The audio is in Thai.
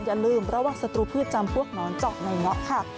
อย่าลืมระวังศัตรูพืชจำพวกหนอนเจาะในเงาะค่ะ